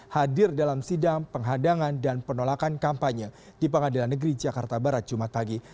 hadir dalam sidang penghadangan dan penolakan kampanye di pengadilan negeri jakarta barat jumat pagi